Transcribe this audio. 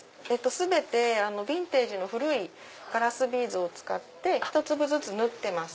全てビンテージの古いガラスビーズを使ってひと粒ずつ縫ってます。